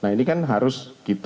nah ini kan harus